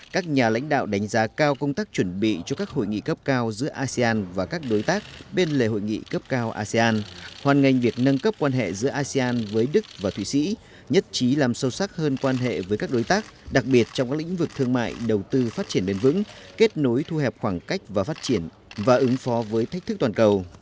các nhà lãnh đạo đánh giá cao công tác chuẩn bị cho các hội nghị cấp cao giữa asean và các đối tác bên lề hội nghị cấp cao asean hoàn ngành việc nâng cấp quan hệ giữa asean với đức và thủy sĩ nhất trí làm sâu sắc hơn quan hệ với các đối tác đặc biệt trong các lĩnh vực thương mại đầu tư phát triển đơn vững kết nối thu hẹp khoảng cách và phát triển và ứng phó với thách thức toàn cầu